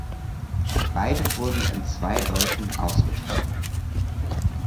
Beide wurden in zwei Läufen ausgetragen.